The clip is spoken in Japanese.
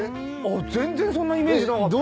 全然そんなイメージなかった。